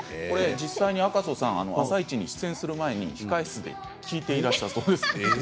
実際に赤楚さん「あさイチ」に出演前に控え室で聞いていたということです。